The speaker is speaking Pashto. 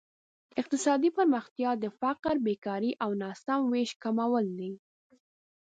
اقتصادي پرمختیا د فقر، بېکارۍ او ناسم ویش کمول دي.